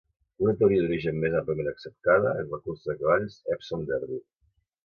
Una teoria d'origen més àmpliament acceptada és la cursa de cavalls Epsom Derby.